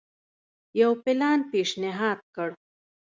یو پلان پېشنهاد کړ.